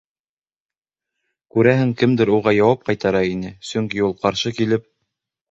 Күрәһең, кемдер уға яуап ҡайтара ине, сөнки ул ҡаршы килеп: